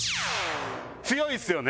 強いっすよね。